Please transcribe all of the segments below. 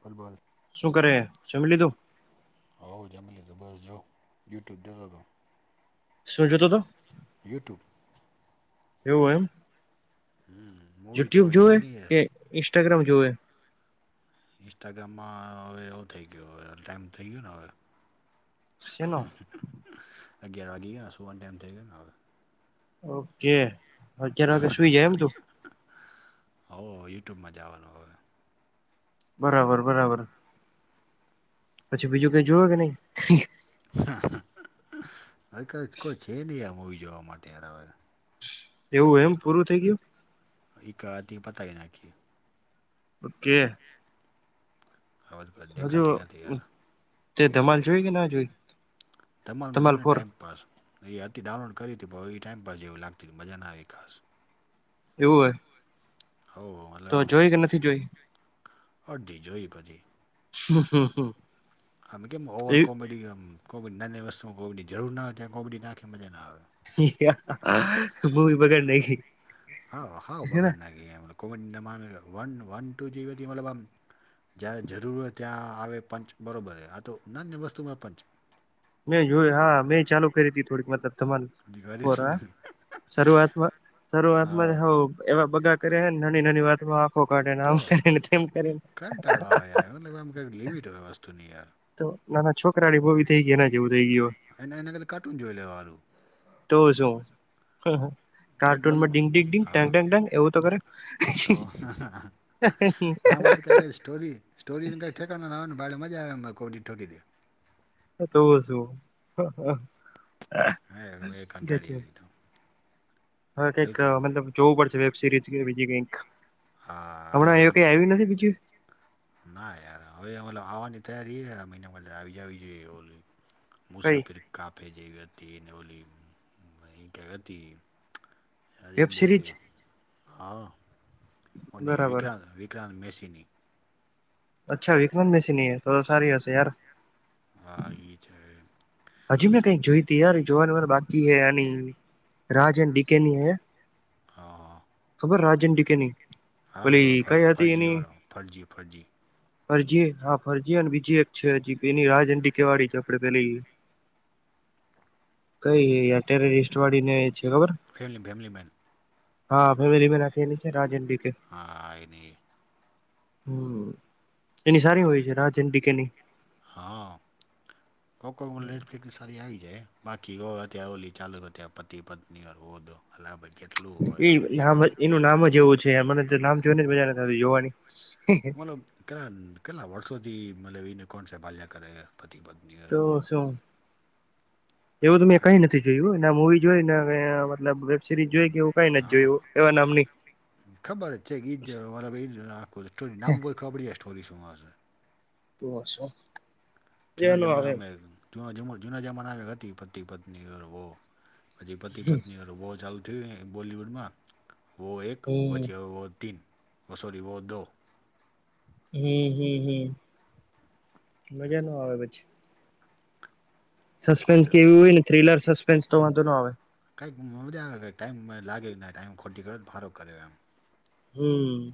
Football [unintelligible] શું કરે સમમ લીધું [unintelligible] હા જમલી તો બસ જો યુટ્યુબ દેતા હતો [unintelligible] શુંજોતો તો યટ્યુબ એવું એમ હમ મૂવી તો યુટ્યુબ કોઈ છે જોુવેએ નહી કે યાર ઇન્સ્ટાગ્રામ જોુવેએ ઇન્સ્ટાગ્રામમાં હવે એવો થઈ ગયો હવે ટાઈમ થઈ ગયો ને હવે શેનો ગગ્યયારકી કે ના શ વન ટાઈમ થઈ કે નવે ઓકે અત્યારે વાગે સુઈ જાય એમ તું હો યુટ્યુબ માં જવાનું હવે બરાબર બરાબર પચ્છી બીજું કઈ જોવે કે નઈ હ ક કોઈ છે નહી આ મવી જોવા માટે એવું એમ પૂરું થઈ ગયું એક આધી પતા નાખીએ ઓકે હ [inaudible] ખબર પર હજુ દેખાતી્યાથી યાર તે ધમાલ જોઈ કે ના જોઈ [unintelligible] [inaudible] [unintelligible] તમાલ મજો ધમાલ ને ફોર ટાઈમપાસ એ અ હતી ડાઉનલોડ કરી હતી એ ટાઈઇમપાસ જેવું લાગતી હતી મજા ના આવી ખાસ એવું હોય હો તો મતલબ આમ જોઈ કે નથી જોઈ અડધી જોઈ પછી હ હ હ હમે કેમ ઓવલ કોમેડી કોમેડી નાની વસ્તુઓ કોમેડીની જરૂર ન હોય ત્યાં કોમેડીની આંખી મજા ના આવે મૂવી પગડ ન ગઈ. હા હા બગાના કોવિડના વન વન ટુ જેીથી મતલબ આ. જ્યારે જરૂર હોય ત્યાં આવે પંચ બરાબર આ તો નાન્ય વસ્તુમાંય પંચ. મેં જોય હા મેં ચાલુ કરી હતી થોડીક મતલબ. તમા વેરીશન પરા સર્વા આત્મા સર્વા આત્માને હા હ. એવા બગા કરેને નાની નાની વાતમાં આંખો કાઢે ને તો આમ કરીને તેમ કરીને. એને લગવામાં કંઈ લિમિટ હોય વસ્તુનીયાર. તો નાના છોકરાઓળ બહવી થઈ ગયા ને એવું થઈ ગય. એ એ કર કા્ટન જો્વેલરવાું. હોય તો જો હા હા. કંઈક મતલબ કાર્ટૂનમાં િંગડીંગ હા િંગંગાંગ એવું તો કરે. તો [inaudible] સ્ટોરીનેં ઠેકાના આવેને ભા મજા આવે એમાં ક કોડી ઠકી દે. તો શું હે એ કંટાળી ગ્ચયો. એવી તો હવે કઈક વેલકમ. મતલબ જોવું પડશે વેબ સિરીઝ કે બીજી કઈક. હા આવી હમણાં એ ગઈ કઈ કે. આયવી નથી બીજી. ના યાર હવે મતલ આવવાની તૈયારી હ મહિને આવી જ આવી જોઈએ ઓ. કઈ મુસાફિ કાફે જઈ કરતી નવલીહી કયા કરતી. અરે એક વેબ બે સિરીઝ હતી હા મ નહી બરાબર વિક્રાંત વિક્રાંત મેસીની. અચ્છા વિકનંદ મેસીની થોડ સારી હશે યાર. હા એ છે. હજી મેં કઈક જોઈ તી યાર જોવાનું હે બાકી હેની રાજ એની ડીકે ની હૈ. હા. ડીકેની હા ઓલી કઈ હતી ફજી એની વાડા ફજી ફજી. ફરજી હા ફરજી અને બીજી એક છે હજી પેલી રાહ હંડી વાડી છે આ પેલી. કઈ આ ટેરેરિસ્ટ વાડી ને છે. Family, family man. હા ફેમલી મેન રાતી ની છે રાજનડી કે. હા એની હમમ એની સારી હોય છે રાજ એન્ડ ડીકેની. હા કોઈક કોઈક ઓનલાઇન ફેકિસતાની આવી જાય. બાકી હો ઓલી ચાલુ હતા પતિ, પત્ની ઓર વો દો અલા બ. એ નામ જ એનું નામ જ એવું છે મને તો નામ જોઈને મજા નથ આયવી જોવાની. મતલબ કેટ કેટલા વર્ષોથી મતલબ એને કોણ છેહે ભાલ્યા કરે પતિ પત્ની ઔર તો વો. શું એવું તો મેં કઈ નથી જોયું ના મુવી જોય. ના વેબ સરીઝ જોઈ હમ કે એવું કઈ નથી હા જોય એવા નામ ની. ખબર જ છે ઈ જ મતલબ એ જ આખું સ્ટોરી નામ જોય ખબર પડી જાય કે સ્ટોરી શું હશે. તો શું? જૂના મજા ન આવે જમાનામા એ જૂના જમાના માં હતી પતિ, પત્ની ઑર વોહ. પછી પતિ હમ પત્ની ઔર વોહ ચાલુ થીયુ ને બોલિવુડમાં વો એક પછી વો તીન સોરી વો દો. હમમ હમમ હમમ. મજા ન આવે પછી કોણ સસ્પેન્સ છે કેવુ હોય ને થ્રિલર, સસ્પેન્સ તો વાંધો નો આવે. કઈક નો જવે ટાઈમ લાગે ટાઈમ ખોટી કરે ફારો કર્યો એમ. હમમ.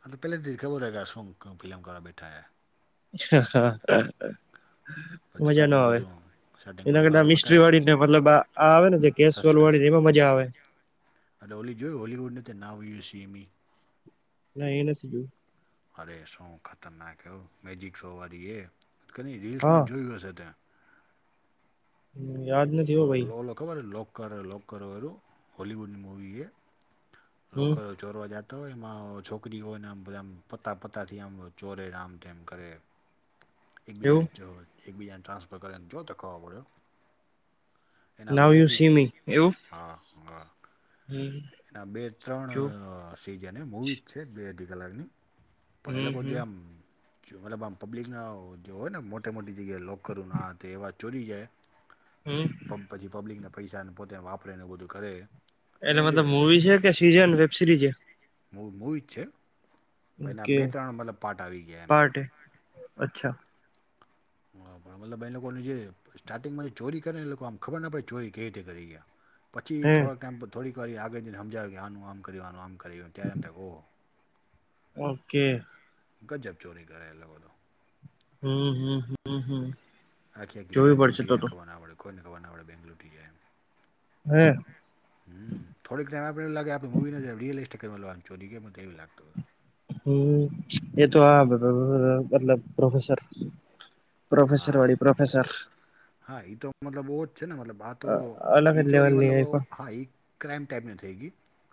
હા તો પહેલા દેખાવ ખબર શું ફિલ્મ કરવા બેઠા હ. [inaudible] પછી મજા ના સ્ટાર્ટિંગ આવે વધુ. એના કરતા મિસ્ટ્રી વાળી ને મતલબ આ આવે ને જે કેશ સોલ વાળી ને એમાં મજા આવે. અને ઓલી જોયું હોલીવૂડ ની તે નાવ હિ સી મી. ના એ નથી જોયી. અરે શું ખતરનાક એવું મેજિક શો વાળી એ કદી રીલ્સ હા માં જોયું હશે ત્યા. હમમ યાદ નથ ઓલો ખબર લોક કર લોક કર વાળું હોલીવુડ મૂવી છે. લોક હમ કર ચોરવા જાતા હોય એમાં છોકરીઓ ને આમ બધા આમ પતા પતાથી આમ ચોરે આમતેમ કરે. એવું એકબીજાને જો એકબીજાને ટ્રાન્સફર કરે જો તો ખબર પડે એવુ. એના નાવ યુ બેથી સી હા હા. હમમ. અ બે ત્રણ સિઝન એ મૂવી જ છે બે અઢી કલાકની પણ એ હમ લોકો જે હમ આમ જો મતલબ આમ પબ્લિકના જે હોય ને મોટી મોટી જગ્યા લોકર હોય ને એવા ચોરી જાય. [inaudible] પ પછી પબ્લિકને પૈસાને પોતે વાપરે ને એવું બધું કરે. એટલે એનો જે મતલબ મૂવી છે કે સીઝન વેબ સિરીઝ છે. મ મૂવી જ છે તો એના ઓકે બે ત્રણ મતલબ પાટ આવી ગયા એમ પાર્ટ હે અચ્છા હાં મતલબ એ લોકોનું જે સ્ટાર્ટિંગમાં ચોરી કરે ને એ લોકો આમ ખબર ના પડે ચોરી કેવી રીતે કરી. પછી હે થોડાક ટાઈમ થોડીક વારી આગળ જયને સમજાવ્યું કે આનું આમ કર્યું આનું આમ કર્યું ત્યારે ઓહો ઓકે. ગજબ ચોરી કરે એ લોકો તો હમ્મ હમ્મ હમ્મ આખી આખી બેંગ્લુ ખવા ના આવડે કોઈને ખરના આવડે બેંગ્લુટી [unintelligible] હમ્મ થોડીક ટાઈ આપડે એવું લાગે આપડેવી રયલ સ્ટે ચોરી એવું લાગત હત હમ્મ એ તો હા [unintelligible] મતલબ પ્રોફેસર હતું પ્રોફેસર હા વાળડી પ્રોફેસર હા એ તો મતલબ બહ જ છે ને મતલબ આ તો અલગ જ એઈ ચોરી લેવલની મતલબ એ પણ હા ઈ ક્રાઈમ ટાઈપની થઈ ગઈ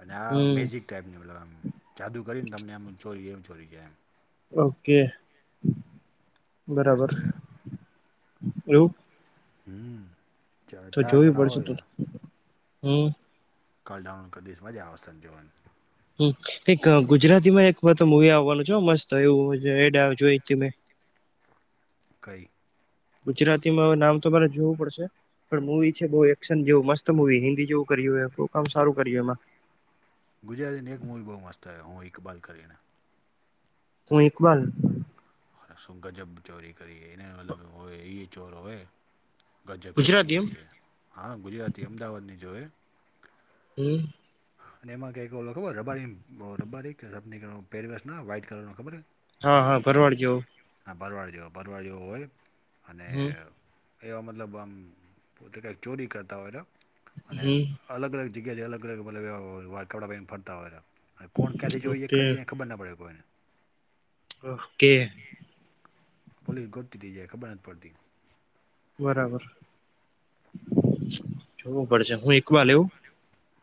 અને આ હમ મેજિક ટાઈપની મતલબ આમ જાદુ કરીને તમને આમ ચોરી એવી ચોરી છે એમ ઓકે મસ્ત બરાબર હે એવું હમ્મ તો જોવી પડશે તું હમ કલડાઉન કરદીશ મજા અવસા જોવાનુ હ એક ગુજરાતી માં એક વાર મુવી આવવાનો જો મસ્ત એવું એડ જોયી થી મેય કઈ ગુજરાતીમાં નામ તમા મારે જોવું પડશે પણ મુૂવી છે બહુ એક્શન જેવું મસ્ત મવી હિન્દી જેવું કર હો બહુ કામ સારું કર્યું એમાં ગુજરાતીને એક મોૂવી બહુ મસ્ત આવ્યો હું એકઇબાલ કરીને તું ઇકબલ શું ગજબ ચોરી કરી એને મતલબ હો એ ચોર હોય. ગજબ ચોરી ગુજરાતી એમ કરી લે હા ગુજરાતી અમદાવાદની જોએ હમ્મ અને એમાં કઈક ઓ ખબર રબારી રબારી કેની પર વ્હાઈટ કલરનો ખબર હા હા ભરવાડ જેવો હા બરવાડ જેવ બરવાડ જેવો હોય અને હમ એવા મતલબ આમ પોતે કાંઈક ચોરી કરતા હોય છ અને હમ અલગ અલગ જગ્યા જે અલગ અલગ મતલબ કપડા પ ફરતા હોય કોણ ક્યાંથી જોઈએ એ ઓકે ખરી ખબર ના પડે કોઈને ઓકે પોલીસ ગોતી થઈ જાય ખબર નથ પડતી બરાબર જોવું પડશે હું એક વાર લેવું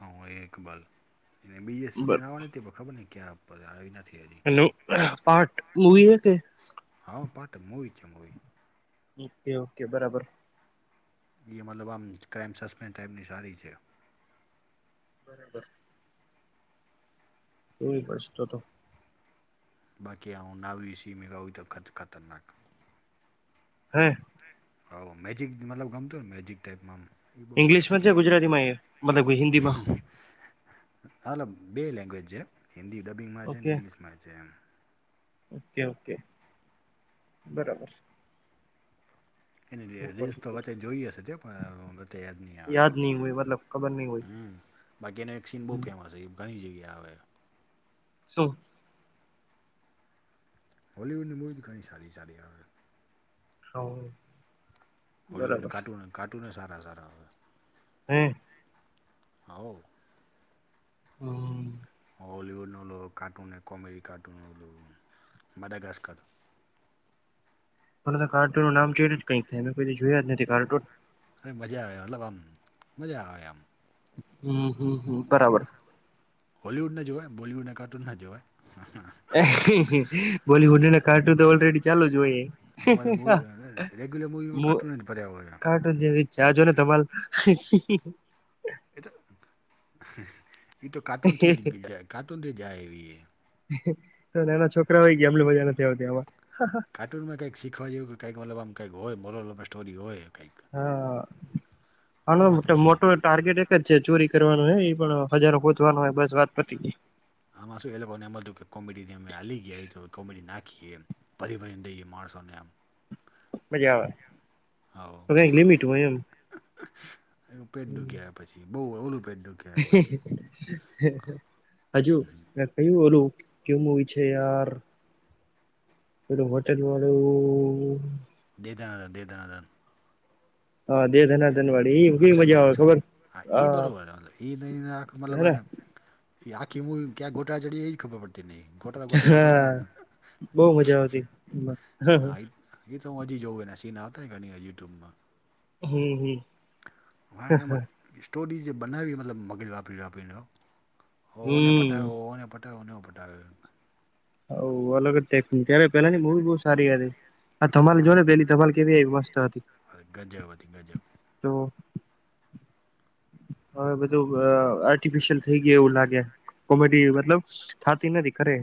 હા એકબલ એને બીજ સ એવું જણવાની ખબર ને ક્યા આવી નથી હજી હેલો પાર્ટ મૂવી હ કે હા પટ મોવી છે મોવી ઓકે ઓકે બરાબર એ મતલબ આમ ક્રાઇમ સસ્પેન્ ટાઈપની સારી છે. બરાબર એ પડશે તો તો બાકી આવ નાવ સી મેવ ત ખ ખતરનાક હે હવ મેજીિક મતલબ ગમતો ને મેજીિક ટાઈપમાં આમ એ બહુ મસ્ત ઈંગ્લિશમાં છે, ગુજરાતી માં મતલબ હિન્દીમાં અલ બે લેંગ્વેજ છે હિન્દી ડબિંગમાં છે ઓકે ઇંગ્લિશમાં છે એમ ઓકે ઓકે બરાબર સે એની રીલ્સ તો વચ્ચે જોઈ હશે તે પણ. યાદ નહી આવે યાદ નહી હોય મતલબ ખબર નહી હોય હમ બાકીનો એક સીન બહ ફેમસ ઘણી જગ્યા આવે શું હોલીવૂડની મૂવી ઘણી સારી સારી આવે હોલીિવુડને બરાબર કાર્ટૂન કાર્ટુને સારા સારા આવે હમ્મ હ હમ હોલીવુડ નો કાર્ટૂન કોમેડી કારટૂનો બડાેગસ્ કર મને તો કાર્ટૂન નામ જોયને જ કંઈક થાય મે તો જોયા જ નથી કાર્ટૂન - અરે મજા આવે અલગ આમ મજા આયા આમ હમ્મ હમ્મ હમ્મ બરાબર હોલવુડને જોવાય બોલીવૂડને કાર્ટૂન ના જોવાય. બોલીવુડ ના કાર્ટૂન તો ઓલરેડી ચાલુ જ હોય એ રેગ્યલર મૂવીમાં કાર્ટૂન જ ભરિયા હોયા આમ કાર્ટૂન જેવી છે આ જોન ધમાલ એ તો એ તો કાર્ટૂન થી જાય કાર્ટૂન થી જાય એવી એ નાના છોકરા હોય ગયા એમલી મજા નથી આવતી આમાં કાર્ટૂનમાં કંઈકી શીખવા જેવું કે કઈક ઓલા આમ કંઈ હોય મોરલ ઓફ થૅ સ્ટોરી હોય. કંઈક હા, અને આમાં તો છીએ મોટું જ. ટાર્ગેટ એક જ છે ચોરી કરવાનું હ એ પણ ખજારો હોધવાનું હોય બસ વાત પછી. આમાં શું એ લોકોને એમ હતું કે કોમેડીને અમે હલી ગયા તો કોમેડી નાખીએ એમ. [unintelligible] આમ મજા આવે પર એક હા લિમિટ હોયે એમ પેટ દુખીયા આવે પછી બઉ ઓલું પેટ દુખે હજુ પેલું ઓલું કેવું મુવી છે, યાર પેલુ હોટેલ વાળું દે દનાદન દેતાનાદન હા દે ધનાધન વાડી એઈ કેવી અક્ષર કો મજા આવેય અક્ષર ખબર હા એ બરોબર આવે એને હેને મતલબને આ કીમું ક્યાં ગોટા ચડીએ એ ખબર પડ તેને હા બહુ મજા આવતી [unintelligible] હા આ એ તો હું હજી જોઉું એને સીન આતા ઘણી હજી યુટુંબમાં હ હ હ એમાં સ્ટોરી જે બનાવી મતલબ મગજ વાપરી વાપરીને હો હોહોને હમ પટાવ્યોને પટ્યોને પટાવ્યો. હો અલગ જ. ટે ત્યારે પેલાની મૂવી બહુ સારી હતી આ તમારે જો હા. ને પેલી ધમાલ કેવી એવી મસ્ત હતી. અરે ગંજબ હતી ગજબ. તો. હવે બધું અ આર્ટફિશયલ થેઈ ગયુ એવું લાગે. કોમેડી મતલબ થાતી નથી કરે.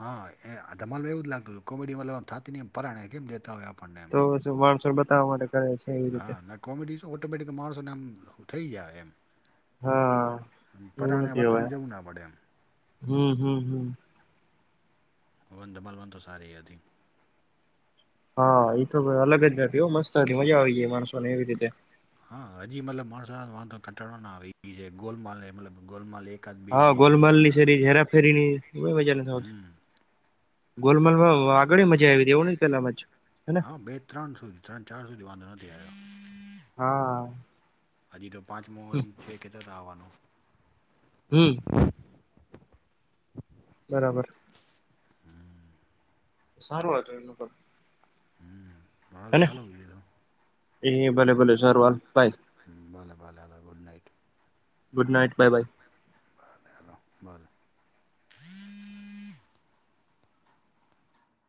હા, ધમાલ મા એવું જ લાગતું હત કોમેડી વામ થતી ન એમ પરાણે કેમ જેતા હોય આપણને. એમ તો માણસોને બતાવવા માટે કરે છે. એવી હા, રીતે ના કોમેડી ઓટોમેટિક માણસો સાથેને આમ થઈ ગયા એમ. હા એવું પરાણે નથી હવે બતાવવા જવું ના પડે એમ. હમ હમ હમ. વન ધાબાલ વન તો સારી હતી. હા, તો અલગ જ નથી હો મસ્ત હતી મજા આવી ગઈ માણસો ને એવી રીતે. હા, હજી મતલબ માણસ વા કટ ના આવી જે ગોલમાલ મતલબ ગોલમાલ એક. હા, ગોલમલની સેરી હેરાફેરીની મજા નથી હોતી હમ ગોલમાલ. હ, આગળી મજા આવી હતી એવું ન પેલા મજ હને. હા બે ત્રણ સુધી ત્રણ ચાર સુથી વાંધો નથી આયો. હા. હજી તો પાંચમો હજી કેતાતા આવવાનું. હમ. બરાબર. સારું વાત એનું ક. [unintelligible] એ ભલે ભલે સારું હાલ બાય. ભલે ભલે હવે good night. Good night bye bye. ભલે હાલો ભલે.